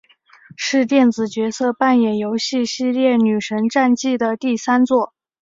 是电子角色扮演游戏系列女神战记的第三作。